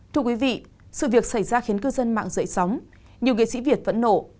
thưa quý vị sự việc xảy ra khiến cư dân mạng dậy sóng nhiều nghệ sĩ việt vẫn nổ